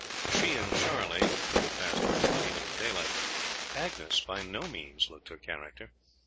She and Charlie could, have passed very well even in daylight, but Agnes by no means looked her character.